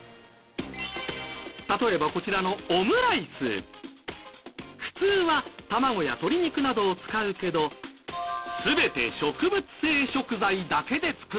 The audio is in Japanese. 例えばこちらの普通は卵や鶏肉などを使うけど全て植物性食材だけで作られているんです。